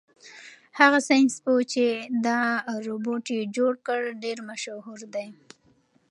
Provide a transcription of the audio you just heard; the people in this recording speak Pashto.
هغه ساینس پوه چې دا روبوټ یې جوړ کړ ډېر مشهور دی.